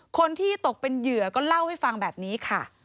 คนที่ตกเป็นเหยื่อก็เล่าให้ฟังแบบนี้ค่ะ